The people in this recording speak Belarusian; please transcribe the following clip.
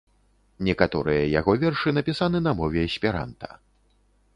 Некаторыя яго вершы напісаны на мове эсперанта.